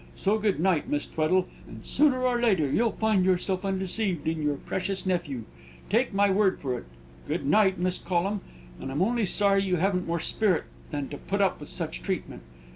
So good night, Miss Tweddle, and sooner or later you'll find yourself undeceived in your precious nephew, take my word for it. Good night, Miss Collum, and I'm only sorry you haven't more spirit than to put up with such treatment.